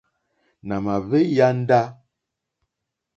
Nà mà hwé yāndá.